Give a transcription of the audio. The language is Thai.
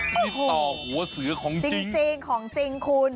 ที่ต่อหัวเสือของจริงของจริงคุณ